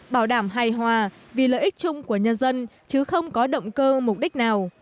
bảo đảm hài hòa vì lợi ích chung của nhân dân chứ không có động cơ mục đích nào